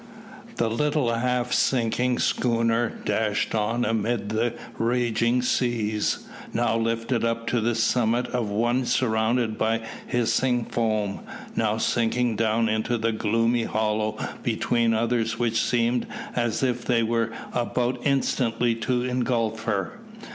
The little half sinking schooner dashed on amid the raging seas, now lifted up to the summit of one surrounded by hissing foam, now sinking down into the gloomy hollow between others which seemed as if they were about instantly to engulf her.